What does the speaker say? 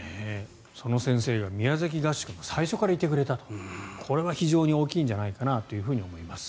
その先生が宮崎合宿の最初からいてくれたとこれは非常に大きいんじゃないかなと思います。